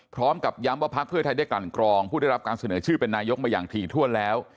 พร้อมกับย้ำว่าพักเพื่อไทยได้กลั่นกรองผู้ได้รับการเสนอชื่อเป็นนายกมาอย่างถี่ถ้วนแล้ว